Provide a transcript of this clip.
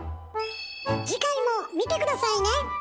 次回も見て下さいね！